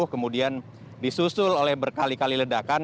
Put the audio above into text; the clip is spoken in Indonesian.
kemudian disusul oleh berkali kali ledakan